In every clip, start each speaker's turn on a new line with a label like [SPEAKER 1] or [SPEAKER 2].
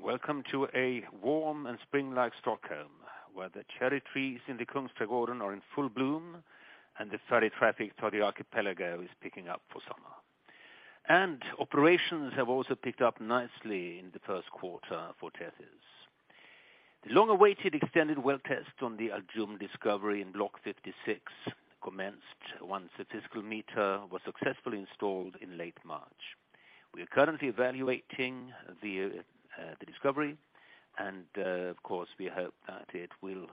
[SPEAKER 1] Welcome to a warm and spring-like Stockholm, where the cherry trees in the Kungsträdgården are in full bloom, and the ferry traffic to the archipelago is picking up for summer. Operations have also picked up nicely in the first quarter for Tethys. The long-awaited extended well test on the Al Jumd discovery in Block 56 commenced once the Fiscal Meter was successfully installed in late March. We are currently evaluating the discovery and, of course, we hope that it will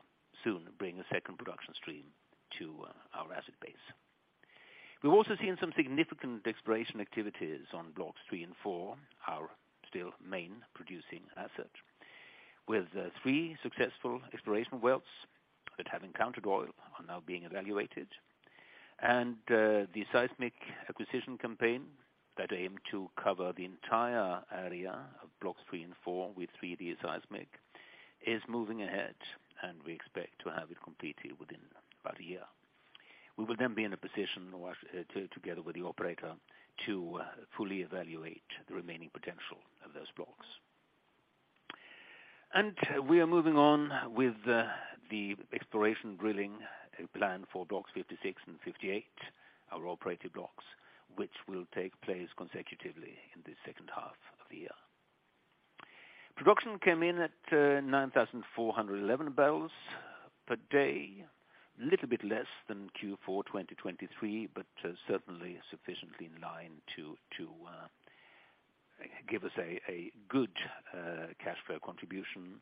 [SPEAKER 1] soon bring a second production stream to our asset base. We've also seen some significant exploration activities on Blocks 3 and 4, our still main producing asset, with 3 successful exploration wells that have encountered oil are now being evaluated. The seismic acquisition campaign that aim to cover the entire area of Blocks three and four with 3D seismic is moving ahead, and we expect to have it completed within about a year. We will then be in a position to, together with the operator, to fully evaluate the remaining potential of those blocks. We are moving on with the exploration drilling plan for Blocks 56 and 58, our operated blocks, which will take place consecutively in the second half of the year. Production came in at 9,411 barrels per day. Little bit less than Q4 2023, but certainly sufficiently in line to give us a good cash flow contribution.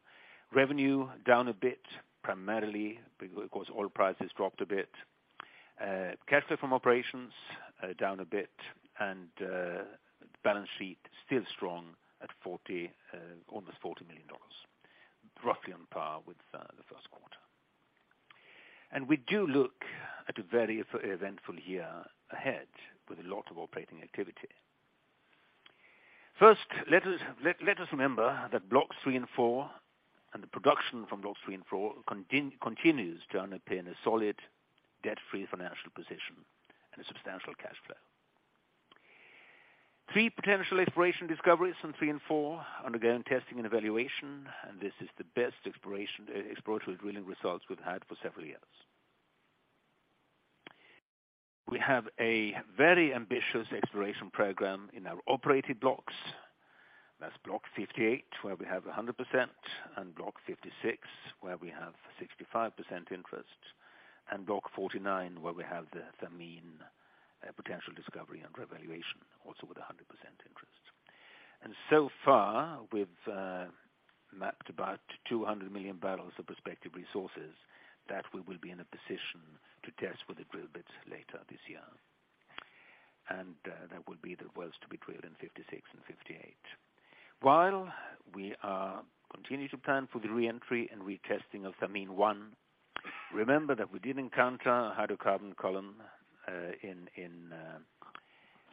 [SPEAKER 1] Revenue down a bit, primarily because oil prices dropped a bit. Cash flow from operations down a bit, the balance sheet still strong at 40, almost $40 million, roughly on par with the first quarter. We do look at a very eventful year ahead with a lot of operating activity. First, let us remember that Block three and four and the production from Block three and four continues to underpin a solid debt-free financial position and a substantial cash flow. Three potential exploration discoveries in three and four undergoing testing and evaluation, and this is the best exploration exploratory drilling results we've had for several years. We have a very ambitious exploration program in our operated blocks. That's Block 58, where we have 100%, and Block 56, where we have 65% interest, and Block 49, where we have the Thameen potential discovery under evaluation, also with 100% interest. So far, we've mapped about 200 million barrels of prospective resources that we will be in a position to test with the drill bits later this year. That will be the wells to be drilled in 56 and 58. While we are continuing to plan for the re-entry and retesting of Thameen-1, remember that we did encounter a hydrocarbon column in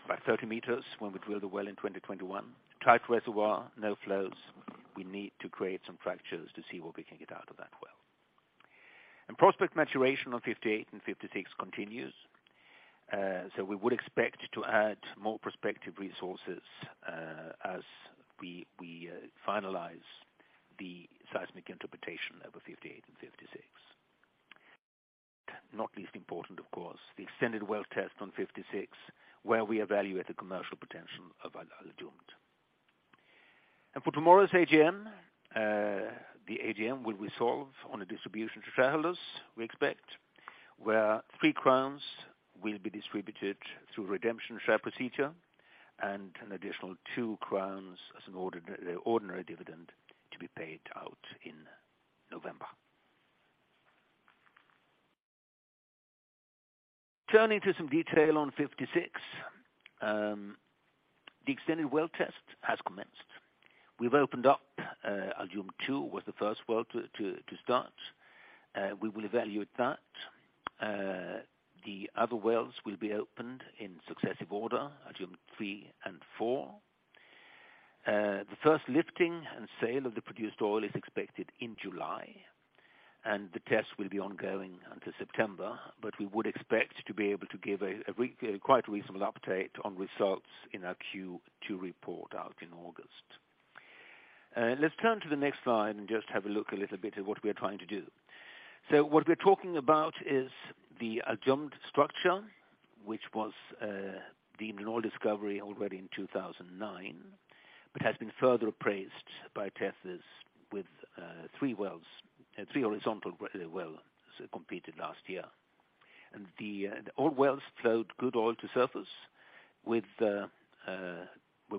[SPEAKER 1] about 30 meters when we drilled the well in 2021. Tight reservoir, no flows. We need to create some fractures to see what we can get out of that well. Prospect maturation on 58 and 56 continues. We would expect to add more prospective resources as we finalize the seismic interpretation over 58 and 56. Not least important, of course, the extended well test on 56, where we evaluate the commercial potential of Al Jumd. For tomorrow's AGM, the AGM will resolve on a distribution to shareholders, we expect, where 3 crowns will be distributed through redemption share procedure and an additional 2 crowns as an ordinary dividend to be paid out in November. Turning to some detail on 56, the extended well test has commenced. We've opened up, Al Jumd-2 was the first well to start. We will evaluate that. The other wells will be opened in successive order, Al Jumd-3 and Al Jumd-4. The first lifting and sale of the produced oil is expected in July. The test will be ongoing until September. We would expect to be able to give a quite a reasonable update on results in our Q2 report out in August. Let's turn to the next slide and just have a look a little bit at what we are trying to do. What we're talking about is the Al Jumd structure, which was deemed an oil discovery already in 2009 but has been further appraised by Tethys with three wells, three horizontal well completed last year. The all wells flowed good oil to surface with, we'll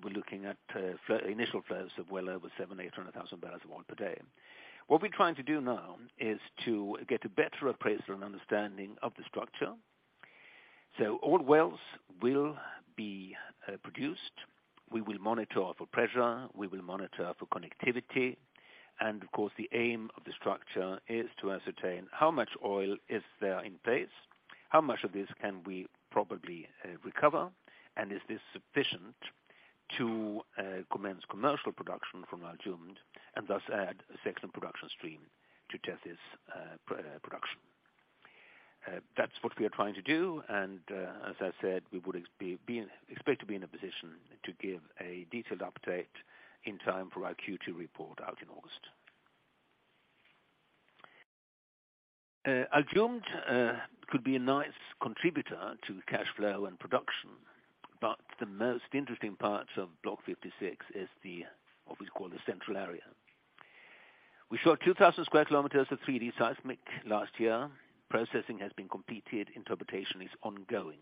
[SPEAKER 1] be looking at flow, initial flows of well over 7,800,000 barrels of oil per day. What we're trying to do now is to get a better appraisal and understanding of the structure. Oil wells will be produced. We will monitor for pressure, we will monitor for connectivity. Of course, the aim of the structure is to ascertain how much oil is there in place, how much of this can we probably recover, and is this sufficient to commence commercial production from Al Jumd, and thus add a second production stream to Tethys production. That's what we are trying to do, as I said, we would expect to be in a position to give a detailed update in time for our Q2 report out in August. Al Jumd could be a nice contributor to cash flow and production, the most interesting parts of Block 56 is what we call the central area. We saw 2,000 square kilometers of 3D seismic last year. Processing has been completed, interpretation is ongoing.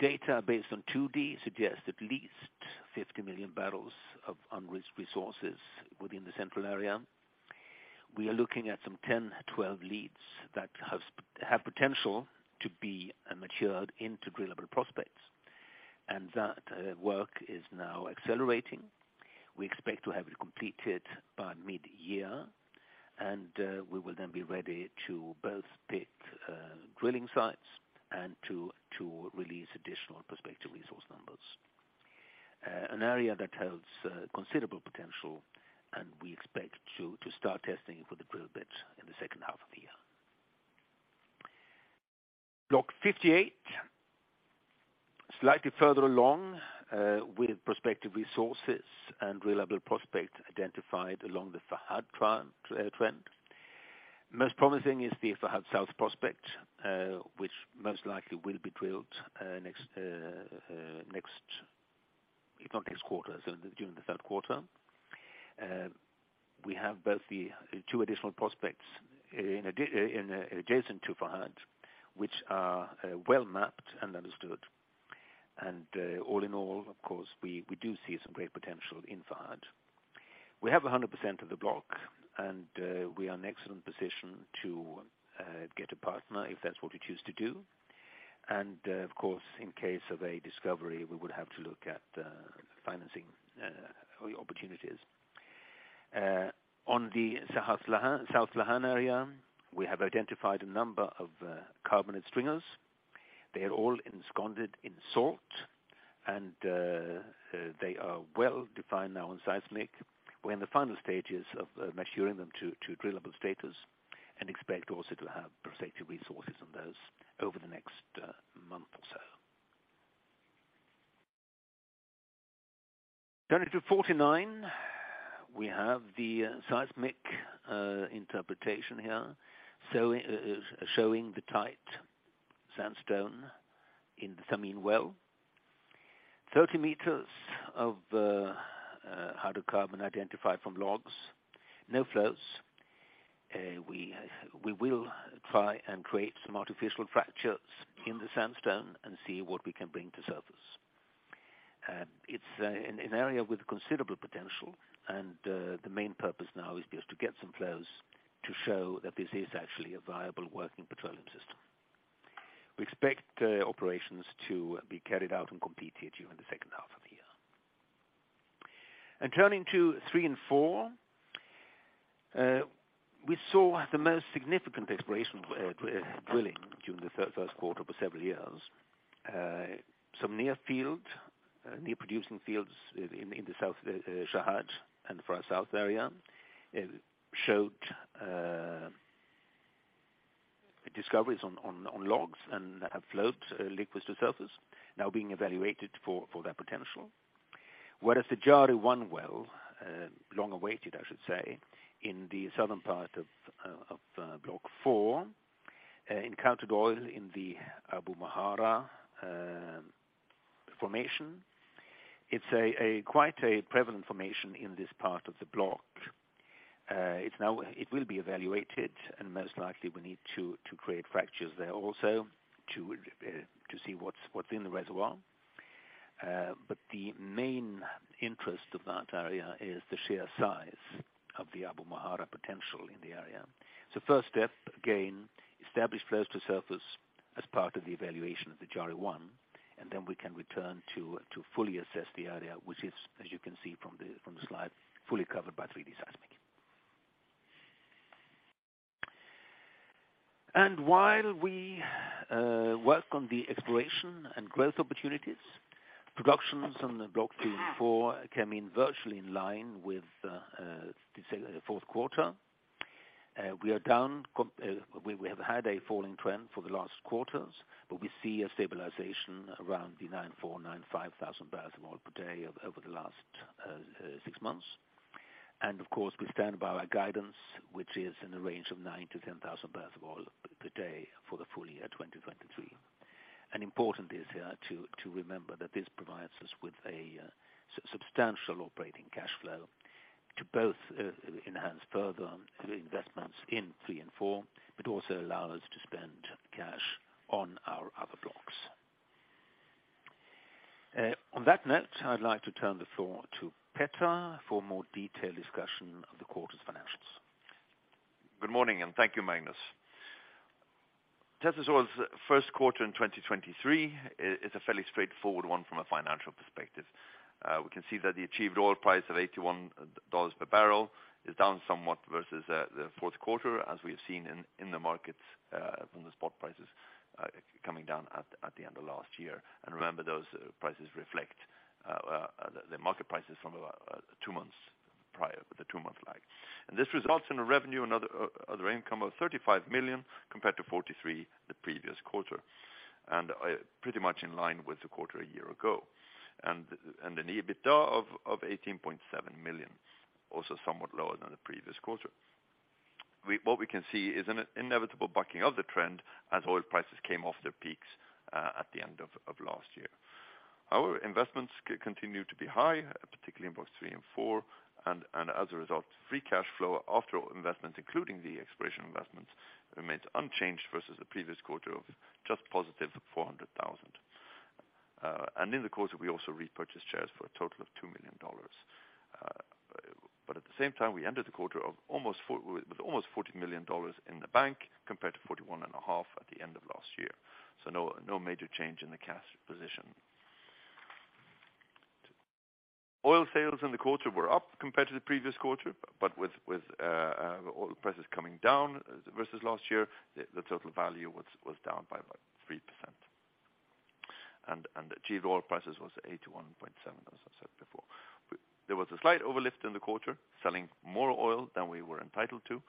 [SPEAKER 1] Data based on 2D suggests at least 50 million barrels of unrisked resources within the central area. We are looking at some 10, 12 leads that have potential to be matured into drillable prospects, that work is now accelerating. We expect to have it completed by mid-year, we will then be ready to both pick drilling sites and to release additional prospective resource numbers. An area that holds considerable potential, we expect to start testing for the drill bits in the second half of the year. Block 58, slightly further along, with prospective resources and reliable prospects identified along the Farhad trend. Most promising is the Farhad South prospect, which most likely will be drilled not next quarter, so during the third quarter. We have both the two additional prospects adjacent to Farhad, which are well-mapped and understood. All in all, of course, we do see some great potential in Farhad. We have 100% of the block, we are in an excellent position to get a partner if that's what we choose to do. Of course, in case of a discovery, we would have to look at financing opportunities. On the South Lahan area, we have identified a number of carbonate stringers. They're all ensconced in salt, and they are well-defined now on seismic. We're in the final stages of maturing them to drillable status and expect also to have prospective resources on those over the next month or so. Turning to 49, we have the seismic interpretation here, sewing showing the tight sandstone in the Thameen well. 30 meters of hydrocarbon identified from logs, no flows. We will try and create some artificial fractures in the sandstone and see what we can bring to surface. It's an area with considerable potential, and the main purpose now is just to get some flows to show that this is actually a viable working petroleum system. We expect operations to be carried out and completed during the second half of the year. Turning to three and four, we saw the most significant exploration drilling during the first quarter for several years. Some near field, near producing fields in the South, Farhad and Farhad South area, showed discoveries on logs and have flowed liquids to surface, now being evaluated for their potential. Whereas the Jari-1 well, long awaited, I should say, in the southern part of Block four, encountered oil in the Abu Mahara formation. It's a quite a prevalent formation in this part of the block. It's now, it will be evaluated, and most likely we need to create fractures there also to see what's in the reservoir. The main interest of that area is the sheer size of the Abu Mahara potential in the area. First step, again, establish flows to surface as part of the evaluation of the Jari-1, then we can return to fully assess the area, which is, as you can see from the slide, fully covered by 3D seismic. While we work on the exploration and growth opportunities, productions on the Block three and four came in virtually in line with the fourth quarter. We are down, we have had a falling trend for the last quarters, we see a stabilization around the 94,000 barrels-95,000 barrels of oil per day over the last 6 months. Of course, we stand by our guidance, which is in the range of 9,000 barrels-10,000 barrels of oil per day for the full year 2023. Important is here to remember that this provides us with a substantial operating cash flow to both enhance further investments in three and four, but also allow us to spend cash on our other blocks. On that note, I'd like to turn the floor to Petter for a more detailed discussion of the quarter's financials.
[SPEAKER 2] Good morning. Thank you, Magnus. Tethys Oil's first quarter in 2023 is a fairly straightforward one from a financial perspective. We can see that the achieved oil price of $81 per barrel is down somewhat versus the fourth quarter, as we have seen in the markets from the spot prices coming down at the end of last year. Remember, those prices reflect the market price is from two months prior, with the two-month lag. This results in a revenue another other income of $35 million compared to $43 million the previous quarter, and pretty much in line with the quarter a year ago. An EBITDA of $18.7 million, also somewhat lower than the previous quarter. What we can see is an inevitable bucking of the trend as oil prices came off their peaks at the end of last year. Our investments continue to be high, particularly in Blocks three and four, and as a result, free cash flow after investments, including the exploration investments, remains unchanged versus the previous quarter of just positive $400,000. In the quarter, we also repurchased shares for a total of $2 million. At the same time, we ended the quarter with almost $40 million in the bank, compared to $41.5 million at the end of last year. No major change in the cash position. Oil sales in the quarter were up compared to the previous quarter, but with oil prices coming down versus last year, the total value was down by about 3%. Achieved oil prices was $81.7, as I said before. There was a slight overlift in the quarter, selling more oil than we were entitled to,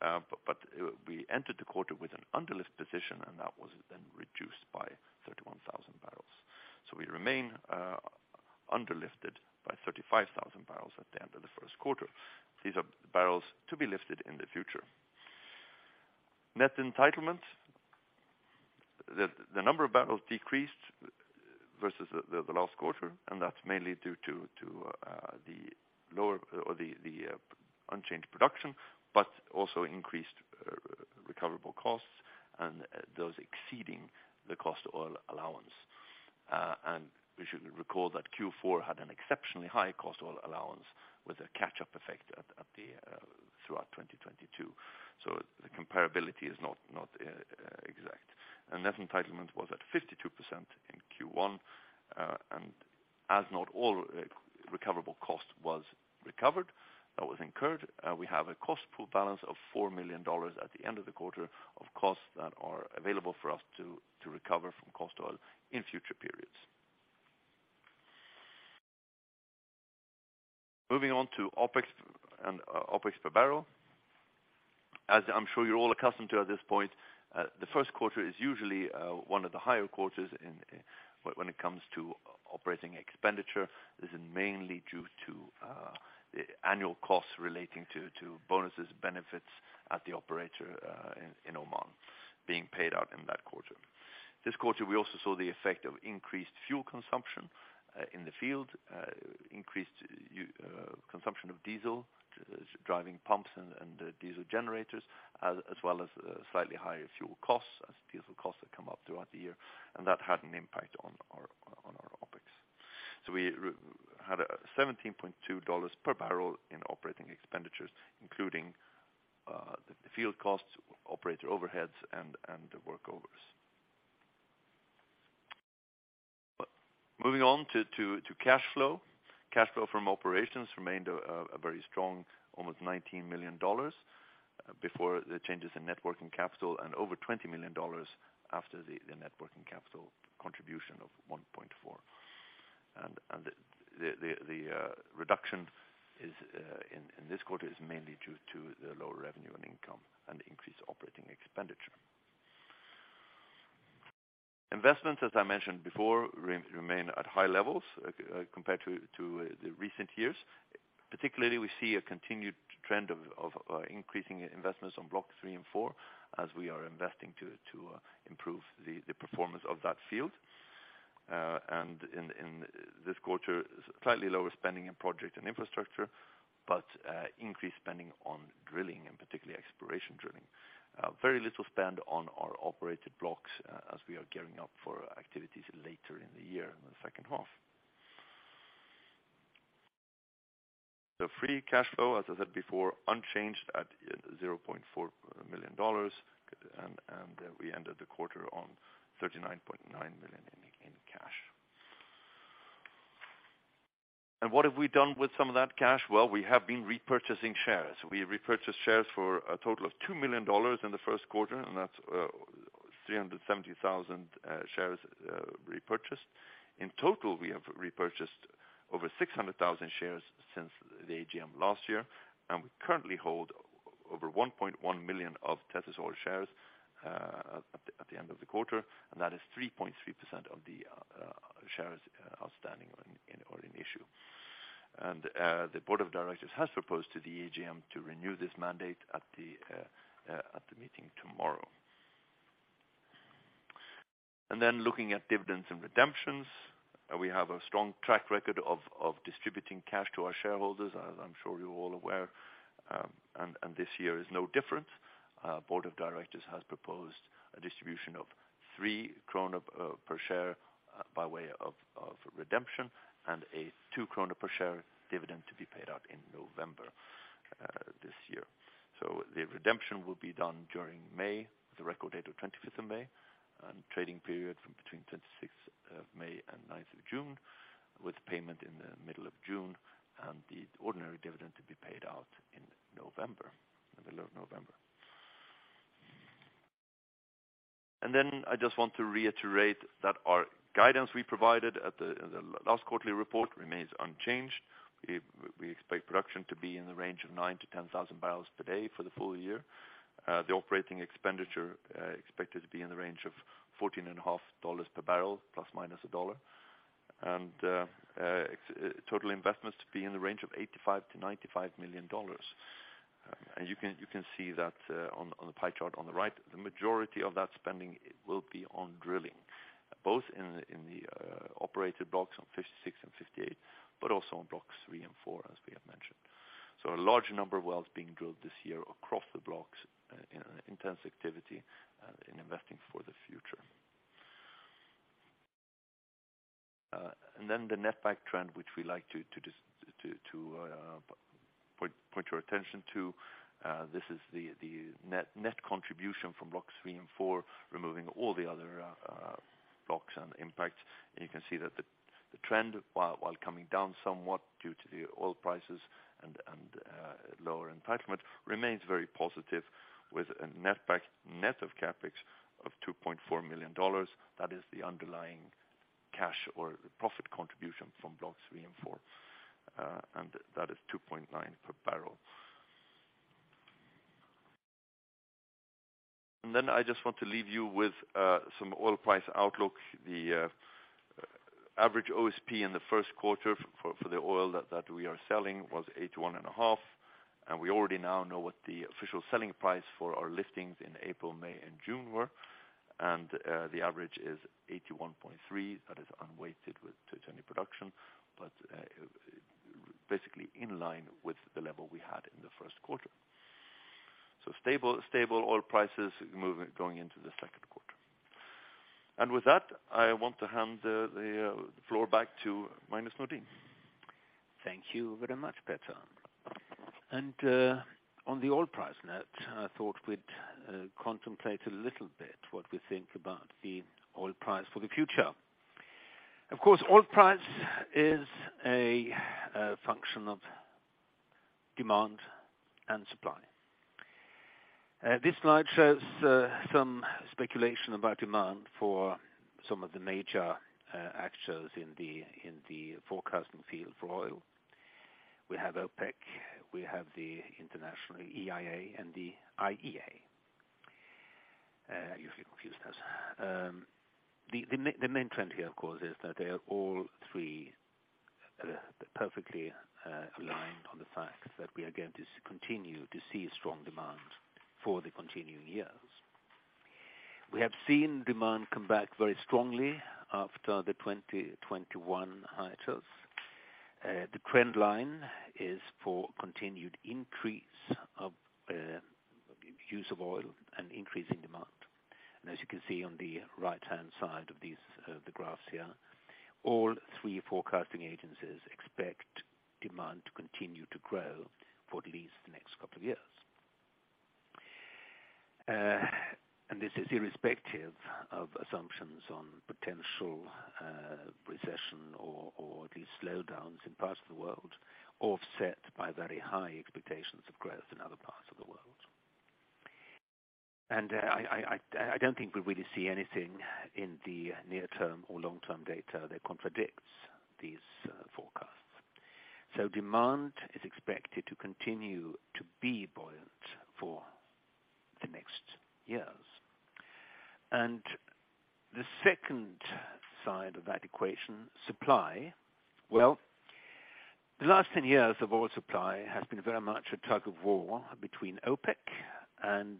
[SPEAKER 2] but we entered the quarter with an underlift position, and that was then reduced by 31,000 barrels. We remain underlifted by 35,000 barrels at the end of the first quarter. These are barrels to be lifted in the future. Net entitlement, the number of barrels decreased versus the last quarter, and that's mainly due to the lower or the unchanged production, but also increased recoverable costs and those exceeding the cost oil allowance. We should recall that Q4 had an exceptionally high Cost Oil Allowance with a catch-up effect at the throughout 2022. The comparability is not exact. Net Entitlement was at 52% in Q1, and as not all recoverable cost was recovered that was incurred, we have a Cost Pool Balance of $4 million at the end of the quarter of costs that are available for us to recover from cost oil in future periods. Moving on to OpEx and OpEx per barrel. As I'm sure you're all accustomed to at this point, the first quarter is usually one of the higher quarters in, when it comes to operating expenditure. This is mainly due to the annual costs relating to bonuses, benefits at the operator in Oman being paid out in that quarter. This quarter, we also saw the effect of increased fuel consumption in the field, increased consumption of diesel, driving pumps and diesel generators, as well as slightly higher fuel costs as diesel costs have come up throughout the year, and that had an impact on our OpEx. We had a $17.2 per barrel in operating expenditures, including the field costs, operator overheads, and the workovers. Moving on to cash flow. Cash flow from operations remained a very strong, almost $19 million before the changes in net working capital and over $20 million after the net working capital contribution of $1.4. The reduction in this quarter is mainly due to the lower revenue and income and increased OpEx. Investments, as I mentioned before, remain at high levels compared to the recent years. Particularly, we see a continued trend of increasing investments on Block three and four as we are investing to improve the performance of that field. In this quarter, slightly lower spending in project and infrastructure, but increased spending on drilling, and particularly exploration drilling. Very little spend on our operated blocks as we are gearing up for activities later in the year in the second half. The free cash flow, as I said before, unchanged at $0.4 million, and we ended the quarter on $39.9 million in cash. What have we done with some of that cash? Well, we have been repurchasing shares. We repurchased shares for a total of $2 million in the first quarter, that's 370,000 shares repurchased. In total, we have repurchased over 600,000 shares since the AGM last year, we currently hold over 1.1 million of Tethys Oil shares at the end of the quarter, that is 3.3% of the shares outstanding or in issue. The board of directors has proposed to the AGM to renew this mandate at the meeting tomorrow. Looking at dividends and redemptions, we have a strong track record of distributing cash to our shareholders, as I'm sure you're all aware, and this year is no different. Board of directors has proposed a distribution of 3 krona per share by way of redemption and a 2 krona per share dividend to be paid out in November this year. The redemption will be done during May, the record date of 25th of May, and trading period from between 26th of May and 9th of June, with payment in the middle of June, and the ordinary dividend to be paid out in November, the middle of November. I just want to reiterate that our guidance we provided at the last quarterly report remains unchanged. We expect production to be in the range of 9,000 barrels-10,000 barrels per day for the full year. The operating expenditure expected to be in the range of $14.5 per barrel, ±$1. Total investments to be in the range of $85 million-$95 million. You can see that on the pie chart on the right, the majority of that spending will be on drilling, both in the operated Block 56 and Block 58, but also on Blocks three and four, as we have mentioned. A large number of wells being drilled this year across the blocks, in intense activity, in investing for the future. The netback trend, which we like to just point your attention to, this is the net contribution from Blocks three and four, removing all the other blocks and impacts. You can see that the trend, while coming down somewhat due to the oil prices and lower entitlement, remains very positive with a netback, net of CapEx of $2.4 million. That is the underlying cash or profit contribution from Blocks three and four, and that is $2.9 per barrel. I just want to leave you with some oil price outlook. The average OSP in the first quarter for the oil that we are selling was $81 and a half, and we already now know what the official selling price for our listings in April, May and June were. The average is $81.3. That is unweighted with to any production, but basically in line with the level we had in the first quarter. Stable oil prices moving, going into the second quarter. With that, I want to hand the floor back to Magnus Nordin.
[SPEAKER 1] Thank you very much, Petter. on the oil price net, I thought we'd contemplate a little bit what we think about the oil price for the future. Of course, oil price is a function of demand and supply. This slide shows some speculation about demand for some of the major actors in the forecasting field for oil. We have OPEC, we have the international EIA and the IEA. Usually confuse those. The main trend here of course, is that they are all three perfectly aligned on the fact that we are going to continue to see strong demand for the continuing years. We have seen demand come back very strongly after the 2021 hiatus. The trend line is for continued increase of use of oil and increase in demand. As you can see on the right-hand side of these, the graphs here, all three forecasting agencies expect demand to continue to grow for at least the next couple of years. This is irrespective of assumptions on potential recession or at least slowdowns in parts of the world, offset by very high expectations of growth in other parts of the world. I don't think we really see anything in the near term or long-term data that contradicts these forecasts. Demand is expected to continue to be buoyant for the next years. The second side of that equation, supply, well, the last 10 years of oil supply has been very much a tug-of-war between OPEC and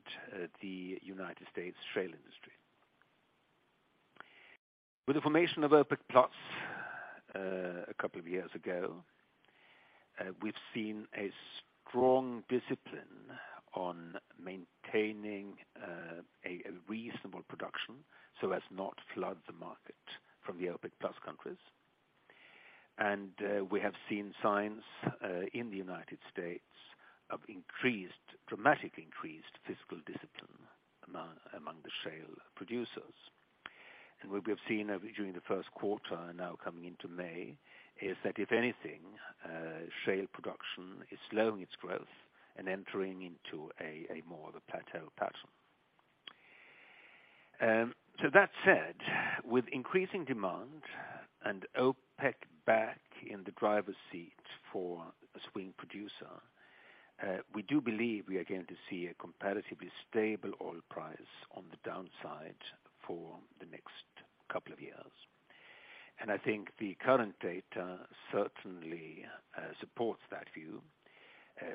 [SPEAKER 1] the United States shale industry. With the formation of OPEC+, a couple of years ago, we've seen a strong discipline on maintaining a reasonable production so as not flood the market from the OPEC+ countries. We have seen signs in the United States of increased, dramatically increased fiscal discipline among the shale producers. What we have seen over, during the first quarter and now coming into May, is that if anything, shale production is slowing its growth and entering into a more of a plateau pattern. That said, with increasing demand and OPEC back in the driver's seat for a swing producer, we do believe we are going to see a comparatively stable oil price on the downside for the next couple of years. I think the current data certainly supports that view.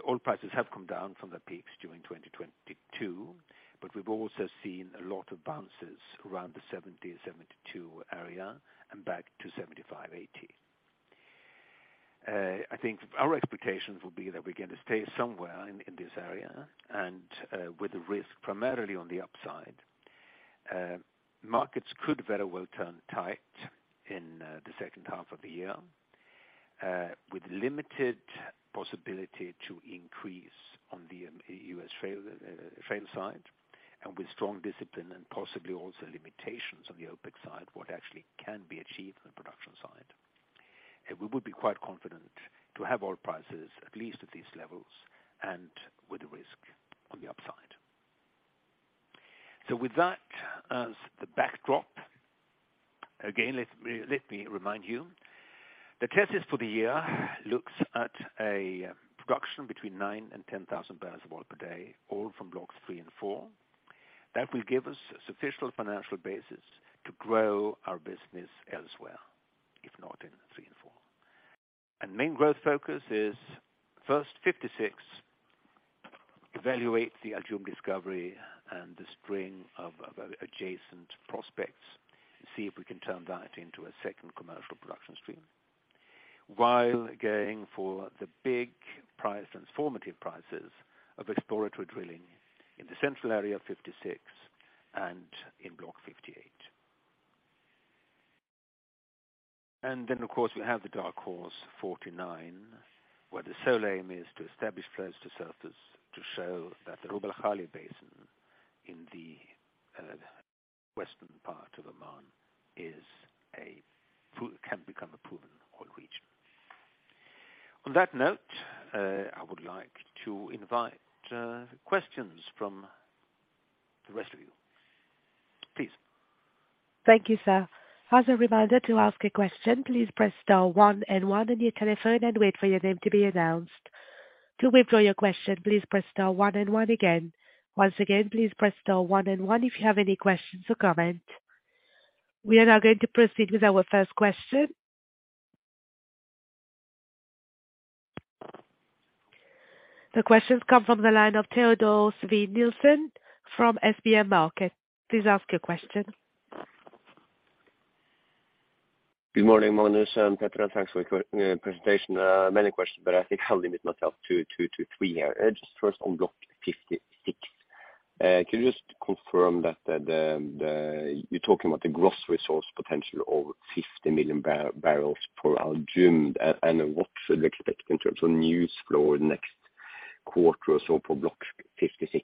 [SPEAKER 1] Oil prices have come down from the peaks during 2022, but we've also seen a lot of bounces around the $70-$72 area and back to $75-$80. I think our expectations will be that we're going to stay somewhere in this area and with the risk primarily on the upside. Markets could very well turn tight in the second half of the year with limited possibility to increase on the U.S. shale side, and with strong discipline and possibly also limitations on the OPEC side, what actually can be achieved on the production side. We would be quite confident to have oil prices at least at these levels and with the risk on the upside. With that as the backdrop, again, let me remind you, Tethys for the year looks at a production between 9,000 and 10,000 barrels of oil per day, all from Blocks three and four. That will give us a sufficient financial basis to grow our business elsewhere, if not in Blocks three and four. Main growth focus is first 56, evaluate the Al Jumd discovery and the string of adjacent prospects, see if we can turn that into a second commercial production stream, while going for the big prize, transformative prizes of exploratory drilling in the central area of 56 and in Block 58. Of course, we have the dark horse 49, where the sole aim is to establish flows to surface to show that the Rub al Khali Basin in the western part of Oman can become a proven oil region. On that note, I would like to invite questions from the rest of you. Please.
[SPEAKER 3] Thank you, sir. As a reminder to ask a question, please press star one and one on your telephone and wait for your name to be announced. To withdraw your question, please press star one and one again. Once again, please press star one and one if you have any questions or comments. We are now going to proceed with our first question. The questions come from the line of Teodor Sveen-Nilsen from SpareBank 1 Markets. Please ask your question.
[SPEAKER 4] Good morning, Magnus and Petter, thanks for your presentation. Many questions, I think I'll limit myself to two to three here. Just first on Block 56. Can you just confirm that you're talking about the gross resource potential of 50 million barrels for Al Jufair, and what should we expect in terms of news flow in the next quarter or so for Block 56?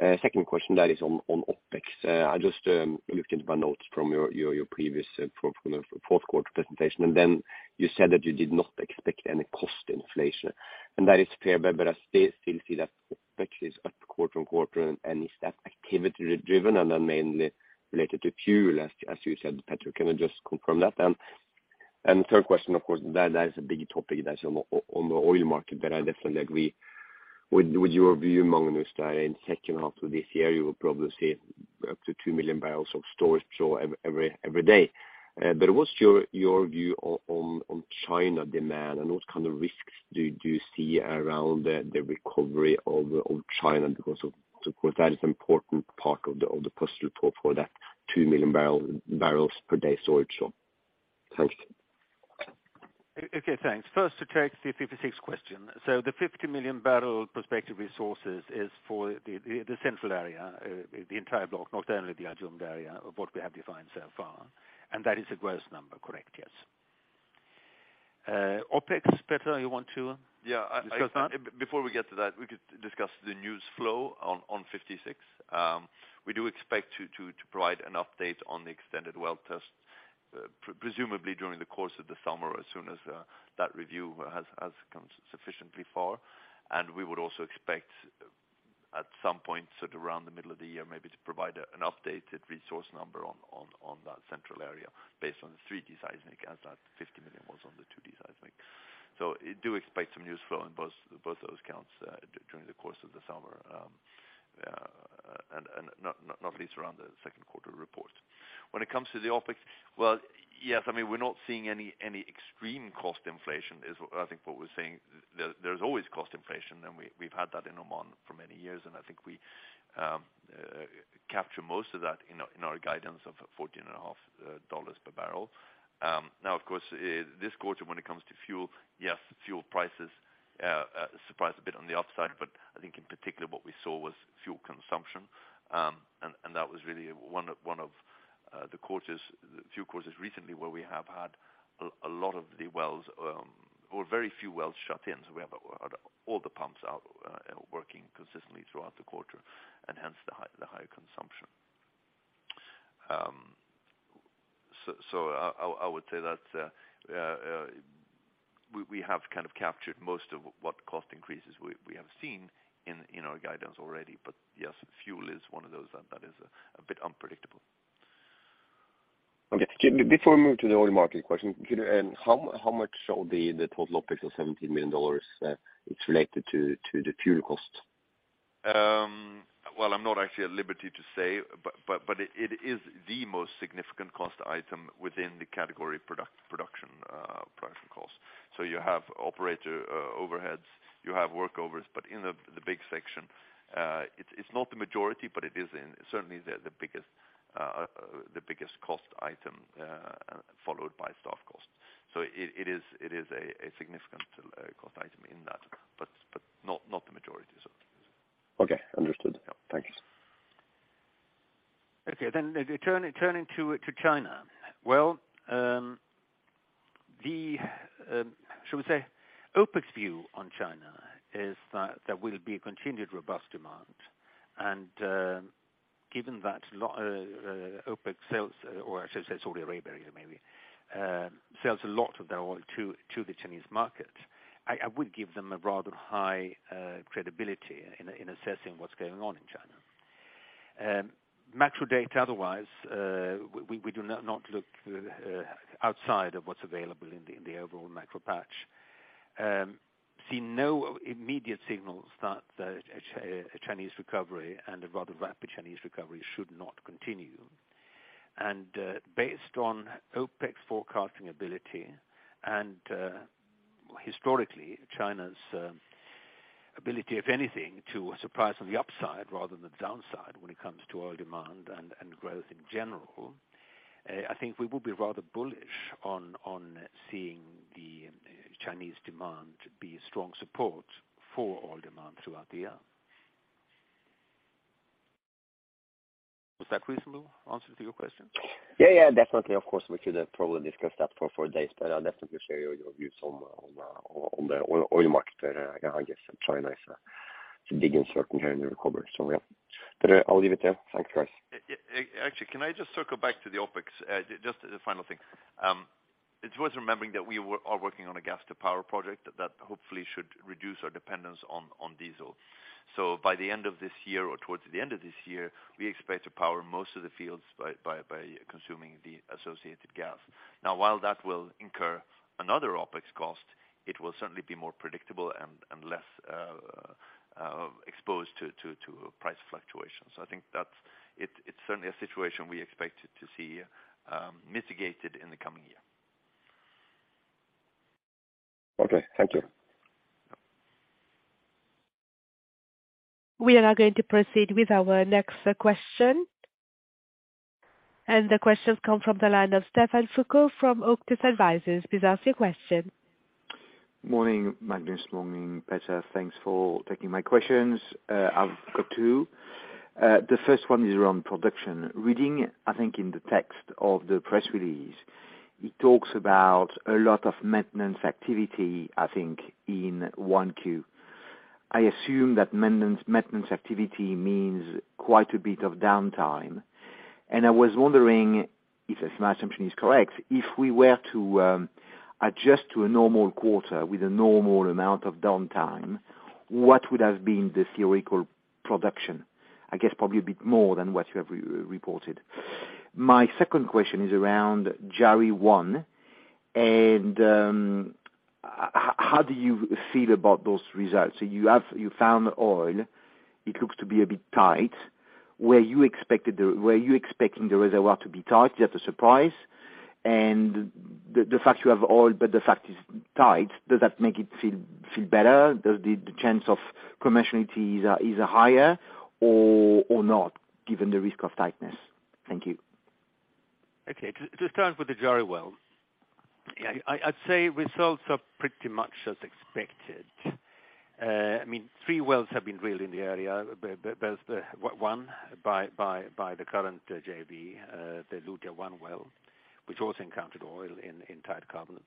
[SPEAKER 4] Second question that is on OpEx. I just looked into my notes from your previous from the fourth quarter presentation, you said that you did not expect any cost inflation. That is fair, I still see that OpEx is up quarter on quarter, is that activity driven mainly related to fuel as you said, Petter, can you just confirm that? Third question, of course, that is a big topic that's on the oil market that I definitely agree with your view, Magnus, that in second half of this year you will probably see up to 2 million barrels of storage draw every day. What's your view on China demand and what kind of risks do you see around the recovery of China? Because of course, that is important part of the puzzle for that 2 million barrels per day storage draw. Thanks.
[SPEAKER 1] Okay, thanks. First, to take the 56 question. The 50 million barrel prospective resources is for the central area, the entire block, not only the Al Jufair area of what we have defined so far. That is a gross number, correct, yes. OpEx, Petter, you want to-
[SPEAKER 2] Yeah.
[SPEAKER 1] Discuss that?
[SPEAKER 2] Before we get to that, we could discuss the news flow on Block 56. We do expect to provide an update on the extended well test, presumably during the course of the summer or as soon as that review has come sufficiently far. We would also expect at some point, sort of around the middle of the year maybe, to provide an updated resource number on that central area based on the 3D design, as that $50 million was on the 2D design. Do expect some news flow in both those counts during the course of the summer, and not least around the second quarter report. When it comes to the OpEx, well, yes, I mean, we're not seeing any extreme cost inflation is I think what we're saying. There, there's always cost inflation and we've had that in Oman for many years, and I think we capture most of that in our guidance of $14.5 per barrel. Now, of course, this quarter when it comes to fuel, yes, fuel prices surprised a bit on the upside, but I think in particular what we saw was fuel consumption. That was really one of the quarters, few quarters recently where we have had a lot of the wells, or very few wells shut in. We have all the pumps out, working consistently throughout the quarter, and hence the higher consumption. I would say that we have kind of captured most of what cost increases we have seen in our guidance already. Yes, fuel is one of those that is a bit unpredictable.
[SPEAKER 4] Okay. Just before we move to the oil market question, can you how much of the total OpEx of $17 million it's related to the fuel cost?
[SPEAKER 2] Well, I'm not actually at liberty to say, but it is the most significant cost item within the category production cost. You have operator overheads, you have workovers, but in the big section, it's not the majority, but it is in certainly the biggest cost item, followed by staff cost. It is a significant cost item in that, but not the majority.
[SPEAKER 4] Okay, understood.
[SPEAKER 2] Yeah.
[SPEAKER 4] Thank you.
[SPEAKER 1] Okay. turning to China. Well, the shall we say OpEx view on China is that there will be continued robust demand. Given that OPEC sells, or I should say Saudi Arabia maybe, sells a lot of their oil to the Chinese market, I would give them a rather high credibility in assessing what's going on in China. Macro data otherwise, we do not look outside of what's available in the overall macro patch. See no immediate signals that a Chinese recovery and a rather rapid Chinese recovery should not continue. Based on OPEC's forecasting ability and historically, China's ability if anything, to surprise on the upside rather than the downside when it comes to oil demand and growth in general, I think we would be rather bullish on seeing the Chinese demand be strong support for oil demand throughout the year. Was that reasonable answer to your question?
[SPEAKER 4] Yeah, yeah, definitely. Of course, we could have probably discussed that for four days, but I definitely share your views on the oil market. Yeah, I guess China is a, it's a big uncertain here in the recovery, so yeah. I'll leave it there. Thanks guys.
[SPEAKER 1] Actually, can I just circle back to the OpEx? Just a final thing. It's worth remembering that we are working on a gas to power project that hopefully should reduce our dependence on diesel. By the end of this year or towards the end of this year, we expect to power most of the fields by consuming the associated gas. While that will incur another OpEx cost, it will certainly be more predictable and less exposed to price fluctuations. I think that's, it's certainly a situation we expected to see mitigated in the coming year.
[SPEAKER 4] Okay. Thank you.
[SPEAKER 3] We are now going to proceed with our next question. The question come from the line of Stéphane Foucaud from Auctus Advisors. Please ask your question.
[SPEAKER 5] Morning, Magnus. Morning, Petter. Thanks for taking my questions. I've got two. The first one is around production. Reading, I think in the text of the press release, it talks about a lot of maintenance activity, I think, in 1Q. I assume that maintenance activity means quite a bit of downtime, and I was wondering if my assumption is correct, if we were to adjust to a normal quarter with a normal amount of downtime, what would have been the theoretical production? I guess probably a bit more than what you have reported. My second question is around Jari-1. How do you feel about those results? You found oil, it looks to be a bit tight. Were you expecting the reservoir to be tight? Is that a surprise? The fact you have oil, but the fact it's tight, does that make it feel better? Does the chance of commerciality is higher or not, given the risk of tightness? Thank you.
[SPEAKER 1] Okay. To start with the Jari well, I'd say results are pretty much as expected. I mean, three wells have been drilled in the area. There's the one by the current JV, the Luja-1 well, which also encountered oil in tight carbonates.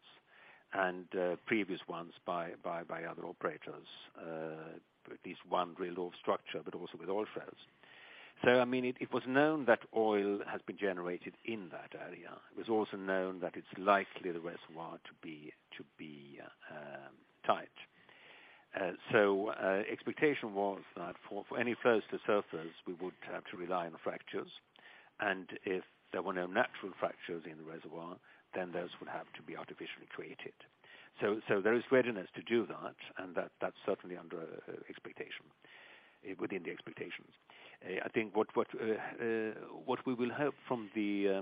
[SPEAKER 1] Previous ones by other operators, at least one real old structure, but also with oil fields. I mean, it was known that oil has been generated in that area. It was also known that it's likely the reservoir to be tight. Expectation was that for any flows to surface, we would have to rely on fractures. If there were no natural fractures in the reservoir, then those would have to be artificially created. There is readiness to do that, and that's certainly under expectation, within the expectations. I think what we will hope from the...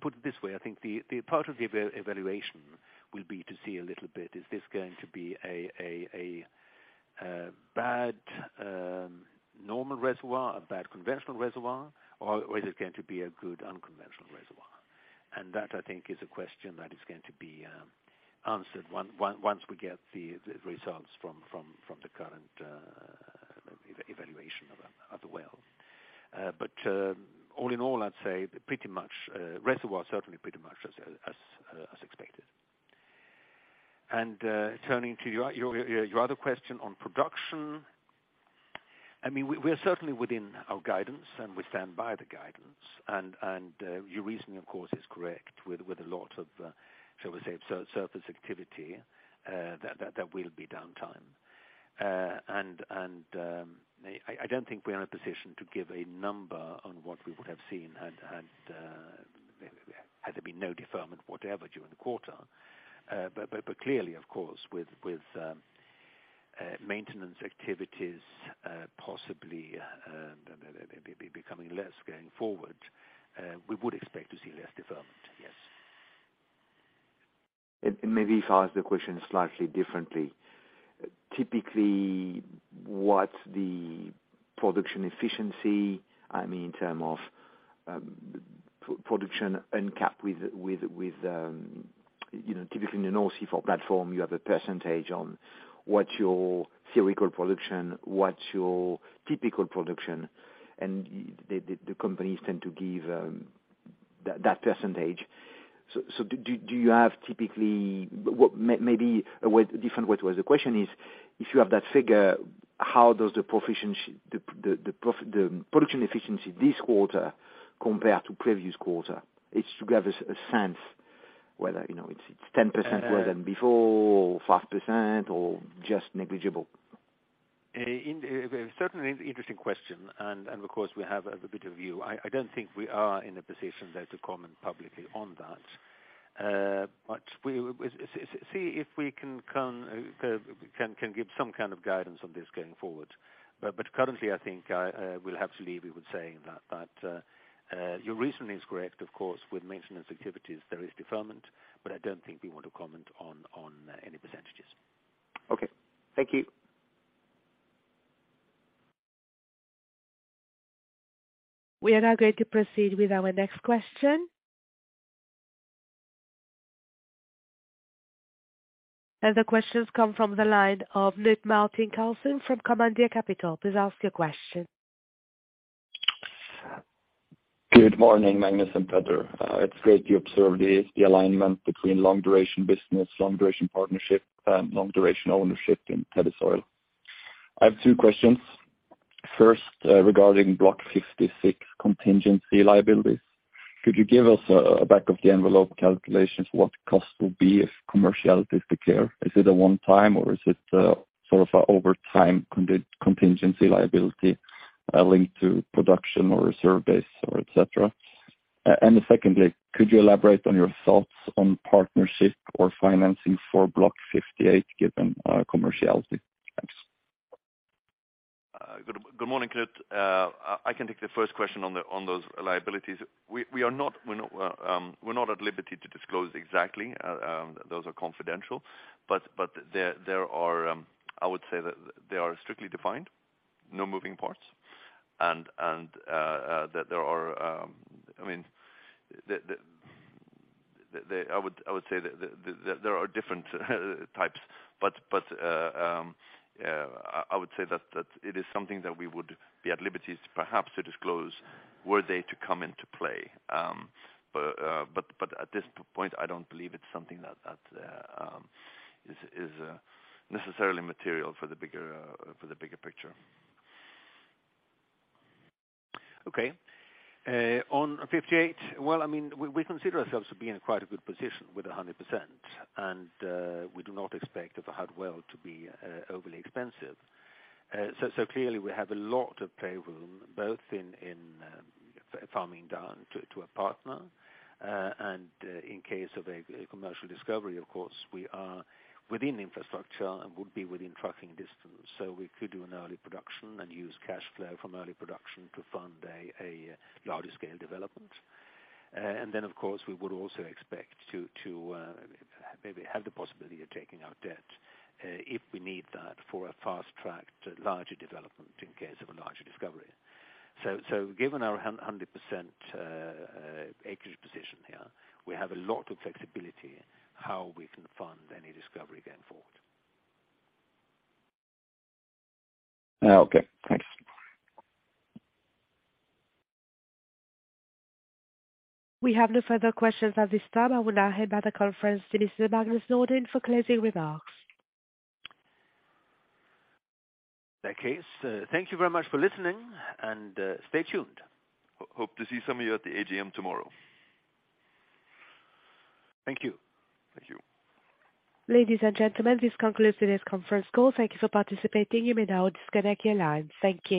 [SPEAKER 1] Put it this way, I think the part of the evaluation will be to see a little bit, is this going to be a bad normal reservoir, a bad conventional reservoir, or is it going to be a good unconventional reservoir? That, I think, is a question that is going to be answered once we get the results from the current evaluation of the well. All in all, I'd say pretty much, reservoir certainly pretty much as expected. Turning to your other question on production, I mean, we're certainly within our guidance, and we stand by the guidance. Your reasoning of course, is correct with a lot of, shall we say, surface activity, that will be downtime. I don't think we're in a position to give a number on what we would have seen had there been no deferment whatever during the quarter. Clearly, of course, with maintenance activities, possibly becoming less going forward, we would expect to see less deferment, yes.
[SPEAKER 5] Maybe if I ask the question slightly differently. Typically, what's the production efficiency? I mean, in terms of production and cap with, you know, typically in an OC4 platform, you have a percentage on what your theoretical production, what your typical production, and the companies tend to give. That percentage. Do you have typically maybe a way, a different way to ask the question is if you have that figure, how does the production efficiency this quarter compare to previous quarter? It's to give us a sense whether, you know, it's 10% lower than before or 5% or just negligible.
[SPEAKER 2] Certainly an interesting question and of course we have a bit of view. I don't think we are in a position there to comment publicly on that. We see if we can come, can give some kind of guidance on this going forward. Currently, I think we'll have to leave you with saying that your reasoning is correct, of course, with maintenance activities there is deferment, but I don't think we want to comment on any percentages.
[SPEAKER 5] Okay. Thank you.
[SPEAKER 3] We are now going to proceed with our next question. The questions come from the line of Knut Martin Karlsen from Commandeer Capital. Please ask your question.
[SPEAKER 6] Good morning, Magnus and Petter. It's great to observe the alignment between long duration business, long duration partnership, and long duration ownership in Tethys Oil. I have two questions. First, regarding Block 56 contingency liabilities. Could you give us a back of the envelope calculations, what cost will be if commercial is declared? Is it a one time or is it sort of a over time contingency liability, linked to production or reserve base or et cetera? Secondly, could you elaborate on your thoughts on partnership or financing for Block 58, given commerciality? Thanks.
[SPEAKER 2] Good morning, Knut. I can take the first question on those liabilities. We are not, we're not at liberty to disclose exactly, those are confidential. There are, I would say that they are strictly defined, no moving parts, and that there are... I mean, the, I would say the, there are different types, but, I would say that it is something that we would be at liberty to perhaps to disclose were they to come into play. At this point, I don't believe it's something that is necessarily material for the bigger picture.
[SPEAKER 1] Okay. On 58, well, I mean, we consider ourselves to be in quite a good position with 100% and we do not expect the hard well to be overly expensive. Clearly we have a lot of playroom both in farming down to a partner. In case of a commercial discovery, of course, we are within infrastructure and would be within trucking distance, so we could do an early production and use cash flow from early production to fund a larger scale development. Then of course, we would also expect to maybe have the possibility of taking out debt, if we need that for a fast track to larger development in case of a larger discovery. Given our 100% acreage position here, we have a lot of flexibility how we can fund any discovery going forward.
[SPEAKER 6] Okay, thanks.
[SPEAKER 3] We have no further questions at this time. I will now hand back the conference to Mr. Magnus Nordin for closing remarks.
[SPEAKER 1] That case, thank you very much for listening and, stay tuned.
[SPEAKER 2] Hope to see some of you at the AGM tomorrow.
[SPEAKER 1] Thank you.
[SPEAKER 2] Thank you.
[SPEAKER 3] Ladies and gentlemen, this concludes today's conference call. Thank you for participating. You may now disconnect your lines. Thank you.